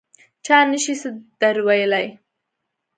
چا نه شي څه در ویلای.